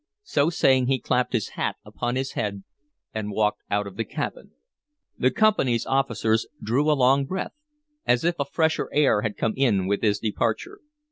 So saying he clapped his hat upon his head and walked out of the cabin. The Company's officers drew a long breath, as if a fresher air had come in with his departure.